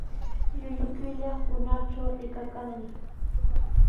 Llullu killa hunaqtraw rikakannami.